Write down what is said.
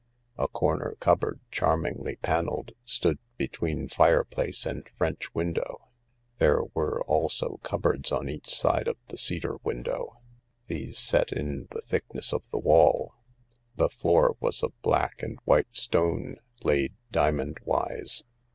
A corner cupboard charmingly panelled stood between fireplace and French window. There were also cupboards on each side of the cedar window— these set in the thickness of the wall. The floor was of black and white stone, laid diamond wise.